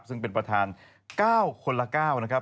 ซึ่งเป็นประธาน๙คนละ๙นะครับ